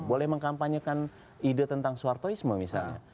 boleh mengkampanyekan ide tentang soehartoisme misalnya